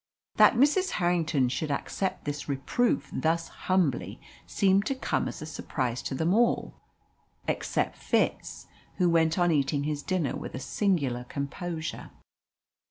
That Mrs. Harrington should accept this reproof thus humbly seemed to come as a surprise to them all, except Fitz, who went on eating his dinner with a singular composure.